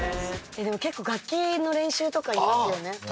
結構楽器の練習とかいますよね。